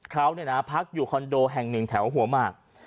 เค้านะภักดิ์อยู่คอนโดแห่ง๑แถวหัวมาก